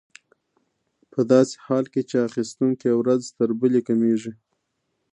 په داسې حال کې چې اخیستونکي ورځ تر بلې کمېږي